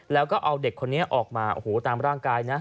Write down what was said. แล้วก็เอาเด็กคนนี้ออกมาโอ้โหตามร่างกายนะ